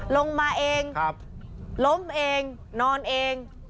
ลงมาเองล้มเองนอนเอง